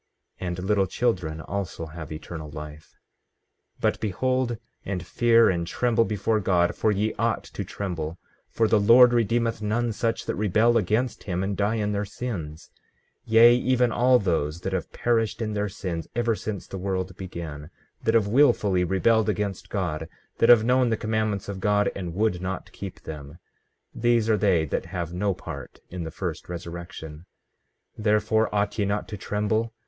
15:25 And little children also have eternal life. 15:26 But behold, and fear, and tremble before God, for ye ought to tremble; for the Lord redeemeth none such that rebel against him and die in their sins; yea, even all those that have perished in their sins ever since the world began, that have wilfully rebelled against God, that have known the commandments of God, and would not keep them; these are they that have no part in the first resurrection. 15:27 Therefore ought ye not to tremble?